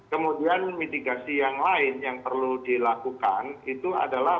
kemudian mitigasi yang lain yang perlu dilakukan itu adalah